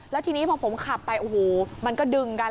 แล้วทีนี้พอผมขับไปโอ้โหมันก็ดึงกัน